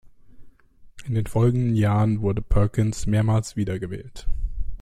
In den folgenden Jahren wurde Perkins mehrmals wiedergewählt.